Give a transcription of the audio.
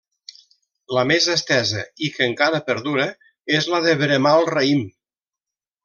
La més estesa, i que encara perdura, és la de veremar el raïm.